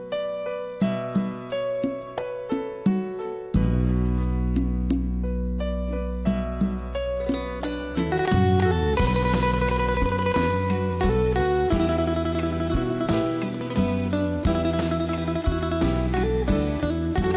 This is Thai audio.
เพลงนี้มีราคาหกหมื่นบาทสมาธิพร้อมเพลงที่๔ขอให้โชคดีนะครับมาถึงเพลงที่๕เพลงนี้มี